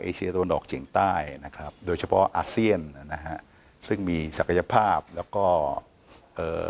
เชียตะวันออกเฉียงใต้นะครับโดยเฉพาะอาเซียนนะฮะซึ่งมีศักยภาพแล้วก็เอ่อ